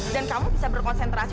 dan kamu bisa berkonsentrasi